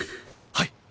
はい。